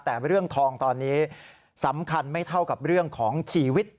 แต่เรื่องทองตอนนี้สำคัญไม่เท่ากับเรื่องของชีวิต